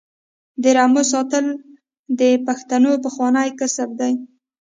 د رمو ساتل د پښتنو پخوانی کسب دی.